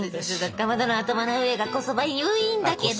かまどの頭の上がこそばゆいんだけど。